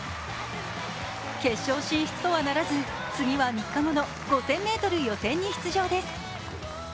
決勝進出とはならず、次は３日後の５０００ｍ予選に出場です。